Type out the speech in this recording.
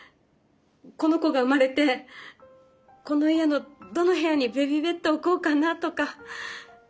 この子が生まれてこの家のどの部屋にベビーベッドを置こうかなとか。